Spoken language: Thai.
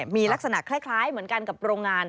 มีลักษณะคล้ายเหมือนกันกับโรงงาน